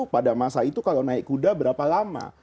pada masa itu kalau naik kuda berapa lama